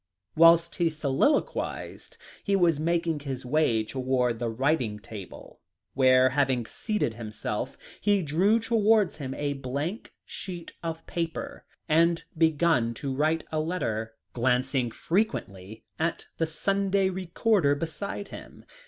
Whilst he soliloquized, he was making his way towards the writing table, where, having seated himself, he drew towards him a blank sheet of paper and began to write a letter, glancing frequently at the Sunday Recorder beside him.